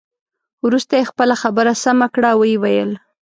وروسته یې خپله خبره سمه کړه او ويې ویل.